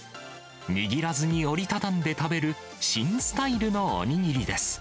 握らずに折り畳んで食べる新スタイルのお握りです。